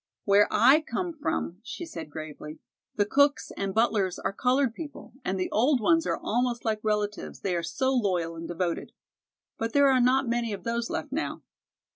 "Where I come from," she said gravely, "the cooks and butlers are colored people, and the old ones are almost like relatives, they are so loyal and devoted. But there are not many of those left now."